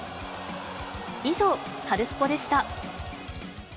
以上、カルスポっ！でした。